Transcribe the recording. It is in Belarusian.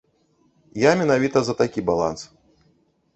Я менавіта за такі баланс.